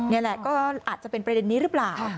นี่แหละก็อาจจะเป็นประเด็นนี้หรือเปล่า